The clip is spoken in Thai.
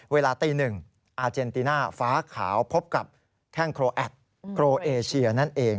เวลาตีหนึ่งอาเจนติน่าฟ้าขาวพบกับแค่งโครแอชียัน